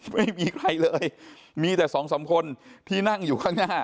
ไม่มีใครเลยมีแต่สองสามคนที่นั่งอยู่ข้างหน้า